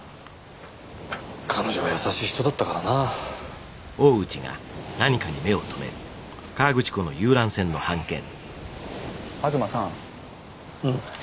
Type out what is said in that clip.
彼女は優しい人だったからな東さんうん？